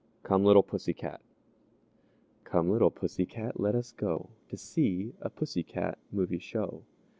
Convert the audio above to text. COME, LITTLE PUSSY CAT! "Come, little Pussy Cat, let us go To see a pussy cat movie show.